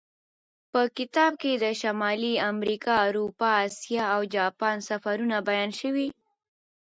په کتاب کې د شمالي امریکا، اروپا، اسیا او جاپان سفرونه بیان شوي.